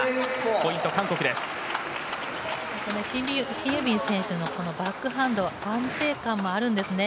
シン・ユビン選手のバックハンド安定感もあるんですね。